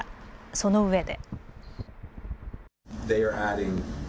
そのうえで。